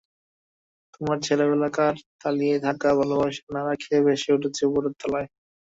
তোমার ছেলেবেলাকার তলিয়ে-থাকা ভালোবাসা নাড়া খেয়ে ভেসে উঠছে উপরের তলায়।